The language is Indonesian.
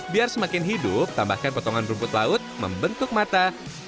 biar semakin hidup tambahkan potongan rumput laut membentuk mata